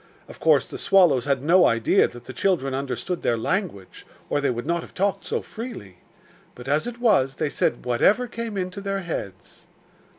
Of course the swallows had no idea that the children understood their language, or they would not have talked so freely; but, as it was, they said whatever came into their heads.